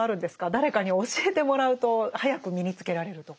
誰かに教えてもらうと早く身につけられるとか。